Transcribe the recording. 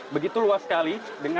begitu luas sekali